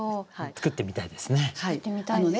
作ってみたいですね。